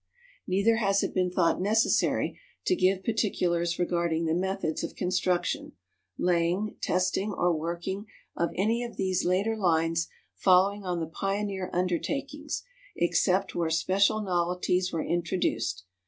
Neither has it been thought necessary to give particulars regarding the methods of construction, laying, testing or working of any of these later lines following on the pioneer undertakings, except where special novelties were introduced.